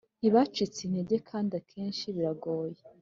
ntibacitse intege kandi akenshi biragoye